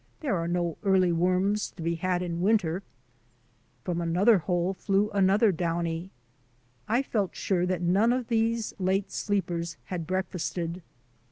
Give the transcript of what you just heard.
There are no early worms to be had in winter/' From another hole flew another downy. I felt sure that none of these late sleepers had breakfasted.